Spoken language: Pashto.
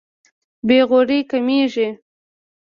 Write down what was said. بې غوري کمېږي.